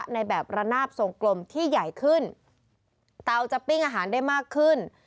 ในแบบระนาบทรงกลมที่ใหญ่ขึ้นเตาจะปิ้งอาหารได้มากขึ้น